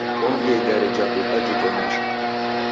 Ongia igare jape ukajitong'esha.